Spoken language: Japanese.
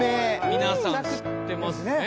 皆さん知ってますね。